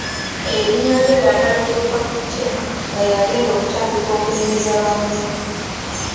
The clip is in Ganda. Erinnya ly’oyo akalulu gwe kakutte nga yagenda okutandika okunyumiza banne